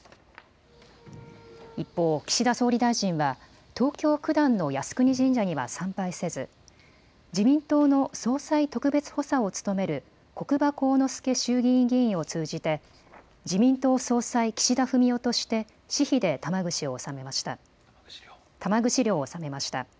一方、岸田総理大臣は東京九段の靖国神社には参拝せず自民党の総裁特別補佐を務める國場幸之助衆議院議員を通じて自民党総裁・岸田文雄として私費で玉串料を納めました。